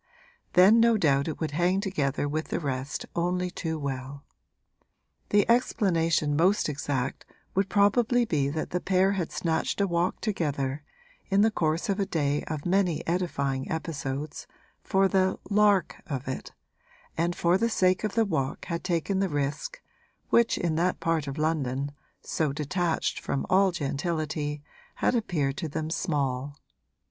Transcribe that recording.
Then no doubt it would hang together with the rest only too well. The explanation most exact would probably be that the pair had snatched a walk together (in the course of a day of many edifying episodes) for the 'lark' of it, and for the sake of the walk had taken the risk, which in that part of London, so detached from all gentility, had appeared to them small.